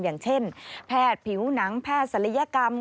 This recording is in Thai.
อย่างเช่นแพทย์ผิวหนังแพทย์ศัลยกรรม